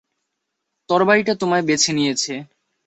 তরবারিটা তোমায় বেছে নিয়েছে।